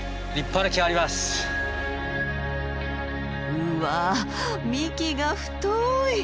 うわ幹が太い！